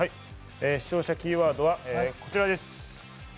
視聴者キーワードはこちらです。